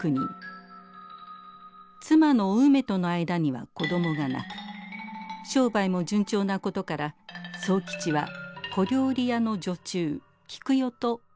妻のお梅との間には子供がなく商売も順調なことから宗吉は小料理屋の女中菊代と不倫関係に。